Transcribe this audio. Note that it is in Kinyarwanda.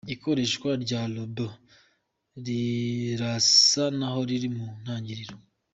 Ikoreshwa rya’Robots’ rirasa naho riri mu ntangiriro.